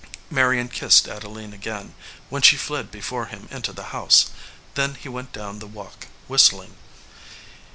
Marion kissed Adeline again, when she fled be fore him into the house. Then he went down the walk whistling.